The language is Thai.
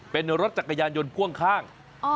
เป็นรถจักรยานยนต์พ่วงข้าง